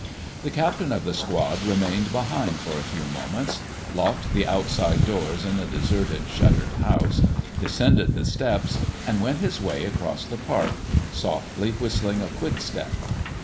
The captain of the squad remained behind for a few moments, locked the outside doors in the deserted shuttered house, descended the steps, and went his way across the park, softly whistling a quickstep.